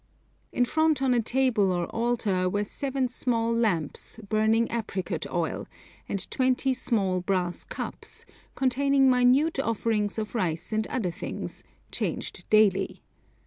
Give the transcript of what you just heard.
In front on a table or altar were seven small lamps, burning apricot oil, and twenty small brass cups, containing minute offerings of rice and other things, changed daily.